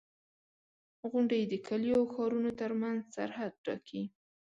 • غونډۍ د کليو او ښارونو ترمنځ سرحد ټاکي.